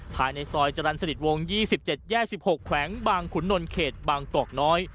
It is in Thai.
ภายในซอยจรรย์สนิทวง๒๗แยก๑๖แขวงบางขุนนลเขตบางกอกน้อย